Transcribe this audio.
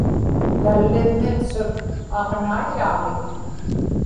tallimmiqsut aġnaiyaamik